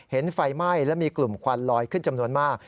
ไฟไหม้และมีกลุ่มควันลอยขึ้นจำนวนมาก